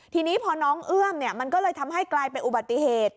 ทีนี้พอน้องเอื้อมมันก็เลยทำให้กลายเป็นอุบัติเหตุ